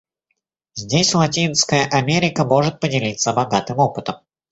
Здесь Латинская Америка может поделиться богатым опытом.